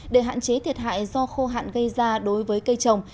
để hạn chế thiệt hại do khô hạn gây ra đối với cây trồng